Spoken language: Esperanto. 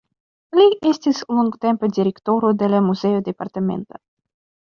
Li estis longtempe direktoro de la muzeo departementa.